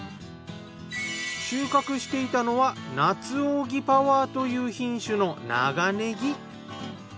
収穫していたのは夏扇パワーという品種の長ねぎ。